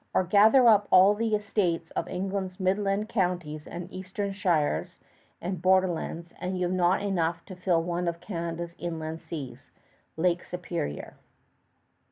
Or gather up all the estates of England's midland counties and eastern shires and borderlands, you have not enough land to fill one of Canada's inland seas, Lake Superior.